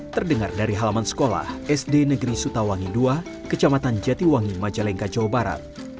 terdengar dari halaman sekolah sd negeri sutawangi ii kecamatan jatiwangi majalengka jawa barat